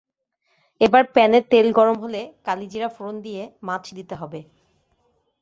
এবার প্যানে তেল গরম হলে কালিজিরা ফোড়ন দিয়ে মাছ দিতে হবে।